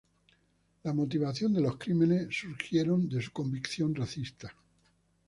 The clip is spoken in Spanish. La motivación de los crímenes surgieron de su convicción racista.